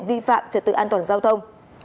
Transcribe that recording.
vi phạm trật tự an toàn giao thông